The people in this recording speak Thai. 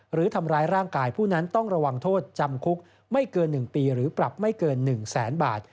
หรือทำร้ายร่างกายผู้นั้นต้องระวังโทษจำคุกไม่เกิน๑ปีหรือปรับไม่เกิน๑แสนบาท